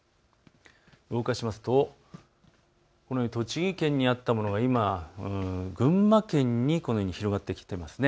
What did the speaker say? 動かしますと、栃木県にあったものが今、群馬県にこのように広がってきています。